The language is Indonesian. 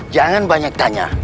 jangan banyak tanya